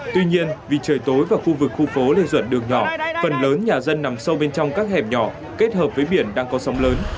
tuy nhiên vì trời tối và khu vực khu phố lê duẩn đường nhỏ phần lớn nhà dân nằm sâu bên trong các hẻm nhỏ kết hợp với biển đang có sóng lớn